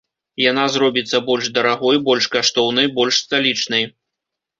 Яна зробіцца больш дарагой, больш каштоўнай, больш сталічнай.